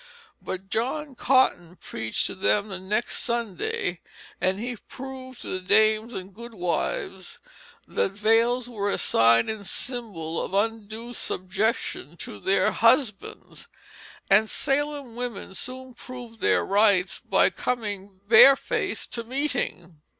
But John Cotton preached to them the next Sunday, and he proved to the dames and goodwives that veils were a sign and symbol of undue subjection to their husbands, and Salem women soon proved their rights by coming barefaced to meeting.